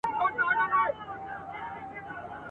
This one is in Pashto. دلته د فرايد د نظريې بشپړه سپړنه ناشونې ده